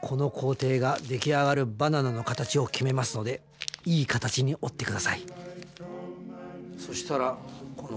この工程ができあがるバナナの形を決めますのでいい形に折ってくださいそしたら。